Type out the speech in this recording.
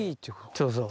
そうそう。